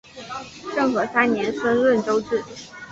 政和三年升润州置。